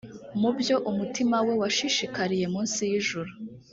mu byo umutima we washishikariye munsi y ijuru